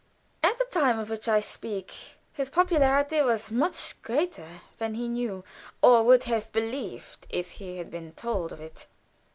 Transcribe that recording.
At the time of which I speak, his popularity was much greater than he knew, or would have believed if he had been told of it.